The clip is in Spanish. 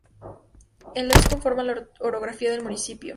El Oiz conforma la orografía del municipio.